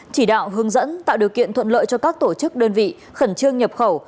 chỉ đạo hướng dẫn tạo điều kiện thuận lợi cho các tổ chức đơn vị khẩn trương nhập khẩu